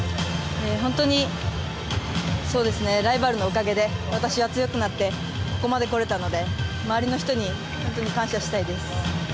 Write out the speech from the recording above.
本当にライバルのおかげで私は強くなってここまで来れたので周りの人に本当に感謝したいです。